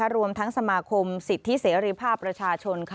รวมทั้งสมาคมสิทธิเสรีภาพประชาชน